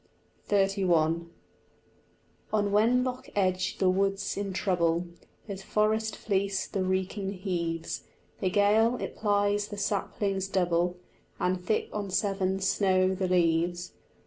XXXI On Wenlock Edge the wood's in trouble; His forest fleece the Wrekin heaves; The gale, it plies the saplings double, And thick on Severn snow the leaves.